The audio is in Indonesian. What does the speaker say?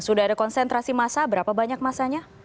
sudah ada konsentrasi massa berapa banyak masanya